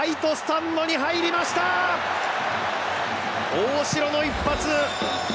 大城の一発！